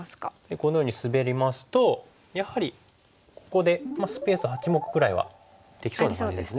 このようにスベりますとやはりここでスペース８目ぐらいはできそうな感じですね。